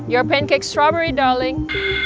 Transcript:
kau penjaga strawberry sayang